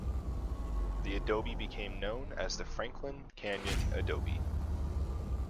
The adobe became known as the Franklin Canyon Adobe.